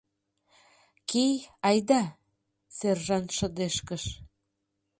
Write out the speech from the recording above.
— Кий, айда! — сержант шыдешкыш.